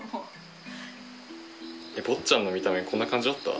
坊ちゃんの見た目こんな感じだった？